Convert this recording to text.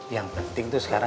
yang penting tuh sekarang